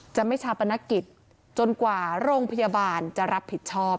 จะไม่ชาปนกิจจนกว่าโรงพยาบาลจะรับผิดชอบ